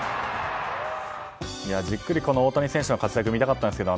じっくり大谷選手の活躍を見たかったんですけど